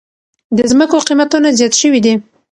د زمکو قيمتونه زیات شوي دي